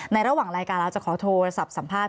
ระหว่างรายการเราจะขอโทรศัพท์สัมภาษณ